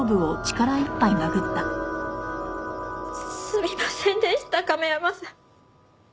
すみませんでした亀山さん。